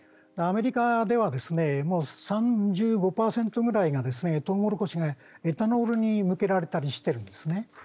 アメリカでは３５％ぐらいがトウモロコシがエタノールに向けられたりしているんですね。